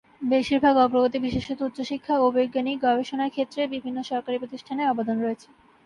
বেশিরভাগ অগ্রগতি, বিশেষত উচ্চশিক্ষা ও বৈজ্ঞানিক গবেষণার ক্ষেত্রে বিভিন্ন সরকারি প্রতিষ্ঠানের অবদান রয়েছে।